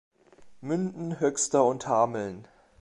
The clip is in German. Münden, Höxter und Hameln.